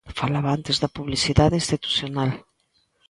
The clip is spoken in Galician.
Falaba antes da publicidade institucional.